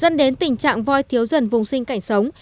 dẫn đến tình trạng voi thiếu dần vùng sinh cảnh sống